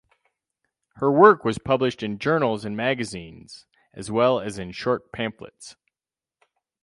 Her work was published in journals and magazines as well as in short pamphlets.